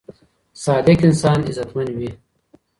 صادق انسان عزتمن وي.